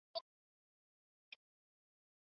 本届赛事继续在水晶宫国家体育中心举行。